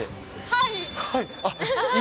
はい。